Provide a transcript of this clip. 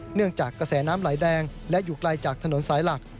เนื่องจากกระแสน้ำไหลแรงและอยู่ไกลจากถนนสายหลัก